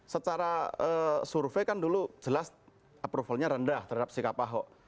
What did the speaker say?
secara survei kan dulu jelas approvalnya rendah terhadap sikap ahok